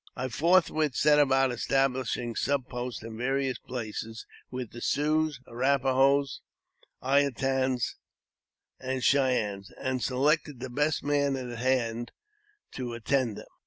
I forthwith set about establishing sub posts in various places, with the Siouxs, Arrap a hos, I a tans, and Cheyennes, and selected the best men at hand to attend them.